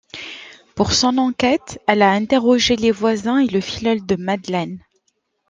Pour son enquête, elle a interrogé les voisins et le filleul de Madeleine.